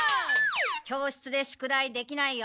教室で宿題できないよ。